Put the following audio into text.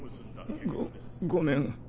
ごごめん。